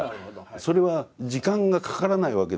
それは時間がかからないわけですよ。